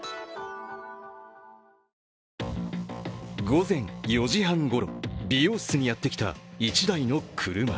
午前４時半ごろ美容室にやってきた１台の車。